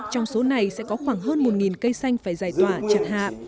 trong số này sẽ có khoảng hơn một cây xanh phải giải tỏa chặt hạ